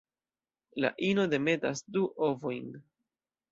La ino demetas du ovojn.